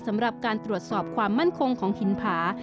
สำหรับการตรวจสอบความมั่นคงของหินผา